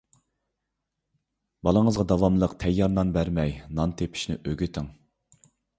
بالىڭىزغا داۋاملىق تەييار نان بەرمەي، نان تېپىشنى ئۆگىتىڭ.